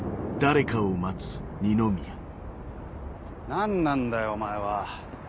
何なんだよお前は。